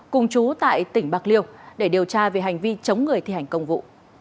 cùng chú tại tỉnh bạc liêu để điều tra về hành vi chống người thi hành công vụ